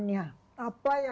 dan dia juga memiliki kebiasaan